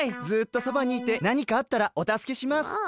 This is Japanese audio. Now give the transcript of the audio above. ずっとそばにいてなにかあったらおたすけします。